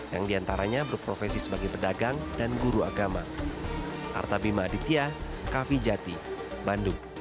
yang diantaranya berprofesi sebagai pedagang dan guru agama